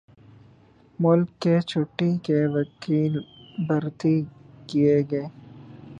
ملک کے چوٹی کے وکیل بھرتی کیے گئے۔